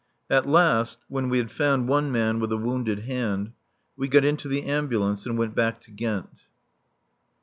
At last, when we had found one man with a wounded hand, we got into the ambulance and went back to Ghent.